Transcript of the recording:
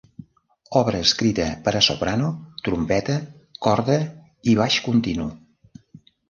Obra escrita per a soprano, trompeta, corda i baix continu.